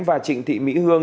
và trịnh thị mỹ hương